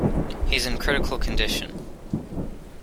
He's in critical condition.